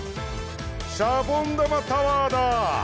シャボン玉タワーだ！